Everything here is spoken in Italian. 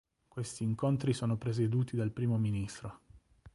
Questi incontri sono presieduti dal Primo ministro.